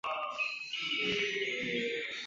反射镜通过沿单轴在白天跟踪太阳。